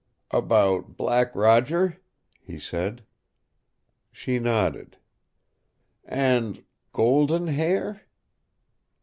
"About Black Roger?" he said. She nodded. "And Golden Hair?"